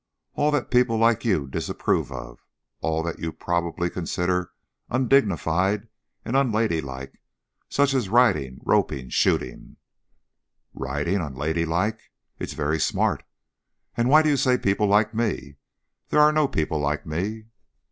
"All that people like you disapprove of; all that you probably consider undignified and unladylike, such as riding, roping, shooting " "Riding unladylike? It's very smart. And why do you say people 'like me'? There are no people like me."